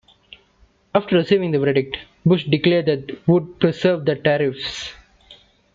After receiving the verdict, Bush declared that he would preserve the tariffs.